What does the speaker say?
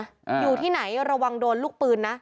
อยู่ที่ไหนระวังโดนลูกปืนนะ